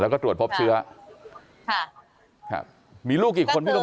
แล้วก็ตรวจพบเชื้อค่ะมีลูกกี่คนพี่รมเย็น